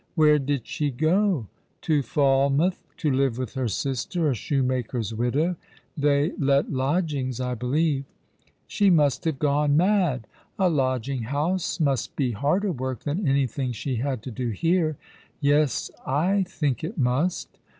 "Where did she go?" "To Falmouth — to live with her sister, a shoemaker's widow. They let lodgicgs, I believe," "She must have gone mad! A lodging house must be harder work than anything she had to do here." " Yes, I think it must."